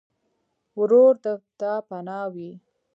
ورور د تا پناه وي.